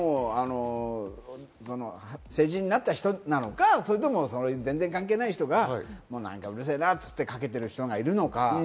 成人になった人なのか、それとも全然関係ない人がうるせぇなってかけている人がいるのか。